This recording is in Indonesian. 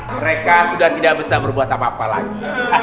mereka sudah tidak bisa berbuat apa apa lagi